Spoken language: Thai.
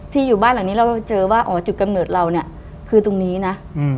อยู่บ้านหลังนี้แล้วเราเจอว่าอ๋อจุดกำเนิดเราเนี่ยคือตรงนี้นะ